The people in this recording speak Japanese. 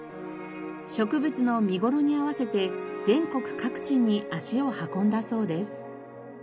植物の見頃に合わせて全国各地に足を運んだそうです。